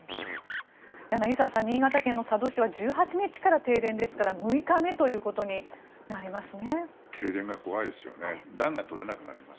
柳澤さん、新潟県の佐渡市は１８日から停電ですから６日目ということになりますね。